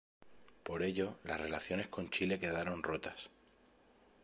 Por ello, las relaciones con Chile quedaron rotas.